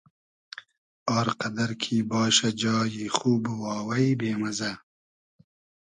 آر قئدئر کی باشۂ جایی خوب و واوݷ بې مئزۂ